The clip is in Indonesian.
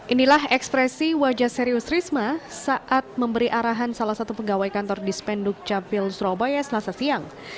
inilah ekspresi wajah serius risma saat memberi arahan salah satu pegawai kantor dispenduk capil surabaya selasa siang